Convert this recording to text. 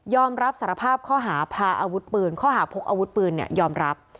รับสารภาพข้อหาพาอาวุธปืนข้อหาพกอาวุธปืนยอมรับ